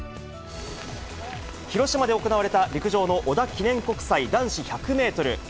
広島で行われた陸上の織田記念国際、男子１００メートル。